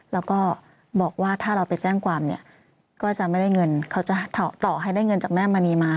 แล้วก็บอกว่าถ้าเราไปแจ้งความเนี่ยก็จะไม่ได้เงินเขาจะต่อให้ได้เงินจากแม่มณีมา